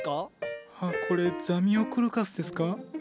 あっこれザミオクルカスですか？